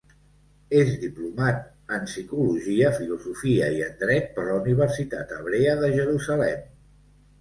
És diplomat en psicologia, filosofia i en dret per la Universitat Hebrea de Jerusalem.